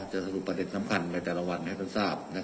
จะสรุปประเด็ตสำคัญในแต่ละวันให้ทุกคนทราบนะครับ